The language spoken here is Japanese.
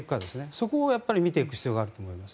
そこを見ていく必要があると思います。